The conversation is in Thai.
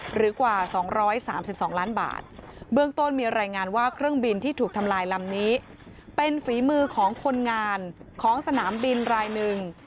หรือกว่า๒๓๒ล้านบาทเบื้องต้นมีรายงานว่าเครื่องบินที่ถูกทำลายลำนี้เป็นฝีมือของคนงานของสนามบินรายหนึ่ง